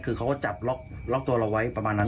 คือเขาก็จับล็อกตัวเราไว้ประมาณนั้น